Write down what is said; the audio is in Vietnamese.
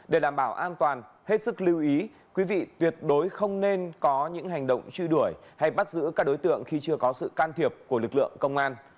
để đảm bảo an toàn hết sức lưu ý quý vị tuyệt đối không nên có những hành động truy đuổi hay bắt giữ các đối tượng khi chưa có sự can thiệp của lực lượng công an